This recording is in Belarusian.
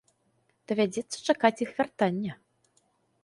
Давядзецца чакаць іх вяртання.